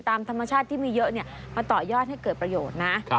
ตามธรรมชาติที่มีเยอะมาต่อยอดให้เกิดประโยชน์นะ